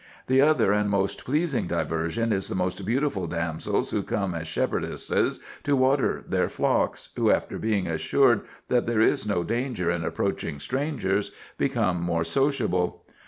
The other and most pleasing diversion is the beautiful damsels who come as shepherdesses to water their flocks, who, after being assured that there is no danger in approaching strangers, become more sociable.